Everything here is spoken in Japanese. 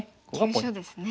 急所ですね。